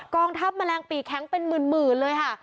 องทัพแมลงปีแข็งเป็นหมื่นเลยค่ะ